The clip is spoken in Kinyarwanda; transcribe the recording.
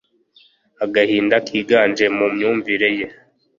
Agahinda kiganje mu myumvire ye